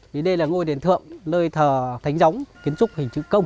vì đây là ngôi đền thượng nơi thờ thánh gióng kiến trúc hình chữ công